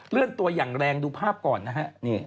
เลื่อนตัวอย่างแรงดูภาพก่อนนะฮะ